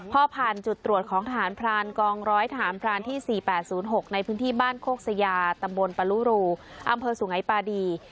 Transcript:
พอผ่านจุดตรวจของทหารพรานกองร้อยทหารพรานที่๔๘๐๖ในพื้นที่บ้านโคกสยาตำบลปะลุรูอำเภอสุงัยปาดี